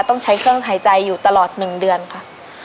ต้องใช้เครื่องหายใจอยู่ตลอด๑เดือนค่ะ